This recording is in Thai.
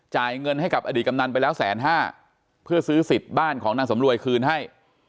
เงินให้กับอดีตกำนันไปแล้วแสนห้าเพื่อซื้อสิทธิ์บ้านของนางสำรวยคืนให้